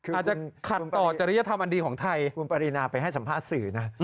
ตัวจะขัดต่อจริยธรรมดีของไทยใครสัมภาษณ์สื่อนะ